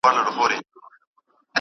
که پیسې نه وي، کار نه کېږي.